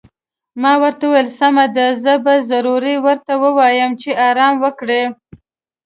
ما ورته وویل: سمه ده، زه به ضرور ورته ووایم چې ارام وکړي.